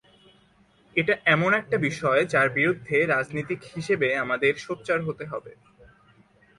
এটা এমন একটা বিষয়, যার বিরুদ্ধে রাজনীতিক হিসেবে আমাদের সোচ্চার হতে হবে।